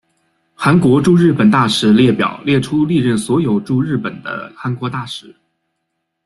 韩国驻日本大使列表列出历任所有驻日本的韩国大使。